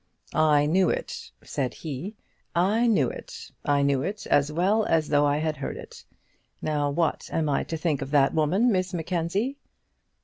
"I knew it," said he; "I knew it. I knew it as well as though I had heard it. Now what am I to think of that woman, Miss Mackenzie?"